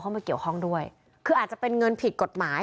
มาเกี่ยวข้องด้วยคืออาจจะเป็นเงินผิดกฎหมาย